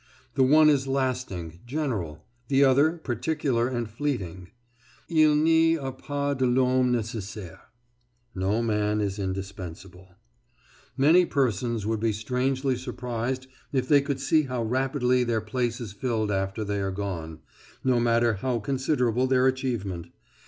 The one is lasting, general; the other particular and fleeting. "Il n'y a pas de l'homme necessaire" [No man is indispensable]. Many persons would be strangely surprised if they could see how rapidly their place is filled after they are gone, no matter how considerable their achievement.